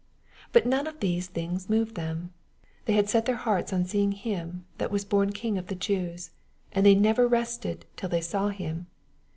But none of these things moved them. They had set their hearts on seeing Him "that was born King of the Jews ;" and they never rested till they saw Him.